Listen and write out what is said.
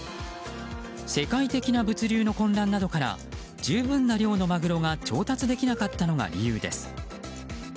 世界的な物流の混乱などから十分な量のマグロが調達できなかったのが理由です。